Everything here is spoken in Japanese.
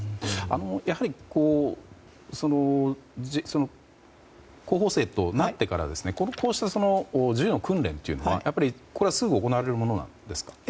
やはり候補生となってからこうした銃の訓練というのはやっぱりすぐ行われるものなんですか？